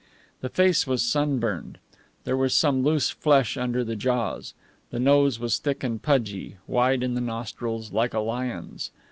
The face was sunburned. There was some loose flesh under the jaws. The nose was thick and pudgy, wide in the nostrils, like a lion's.